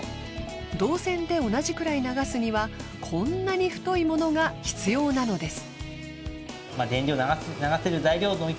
銅線で同じくらい流すにはこんなに太いものが必要なのです。